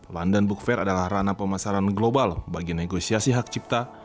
london book fair adalah ranah pemasaran global bagi negosiasi hak cipta